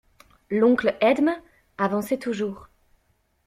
L'oncle Edme avançait toujours.